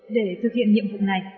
để thực hiện nhiệm vụ này